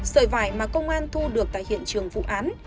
sợi vải mà công an thu được tại hiện trường vụ án